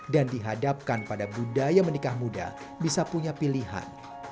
dan dihadapkan pada budaya menikah muda bisa punya pilihan